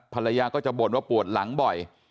ภรรยาก็จะบ่นว่าปวดหลังบ่อย